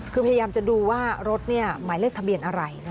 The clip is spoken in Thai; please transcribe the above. คือพยายามจะดูว่ารถหมายเลขทะเบียนอะไร